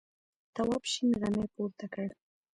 تواب شین غمی پورته کړ.